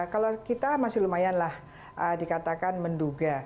kalau kita masih lumayan lah dikatakan menduga